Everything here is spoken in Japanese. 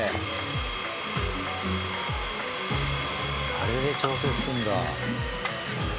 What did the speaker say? あれで調節するんだ。